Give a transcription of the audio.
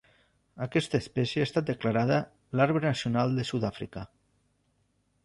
Aquesta espècie ha estat declarada l'arbre nacional de Sud-àfrica.